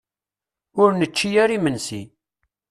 Ur nečči ara imensi.